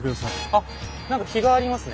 あ何か碑がありますね。